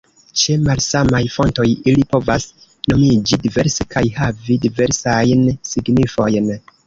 Ĉe malsamaj fontoj ili povas nomiĝi diverse kaj havi diversajn signifojn.